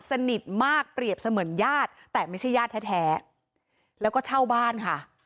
สนิทมากเปรียบเสมือนญาติแต่ไม่ใช่ญาติแท้แล้วก็เช่าบ้านค่ะ